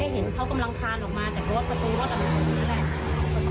เห็นเขากำลังคราญออกมาจากกดกระตูเพราะว่ากำลังผล